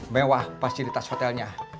mewah fasilitas hotelnya